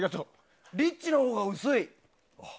リッチのほうが薄い。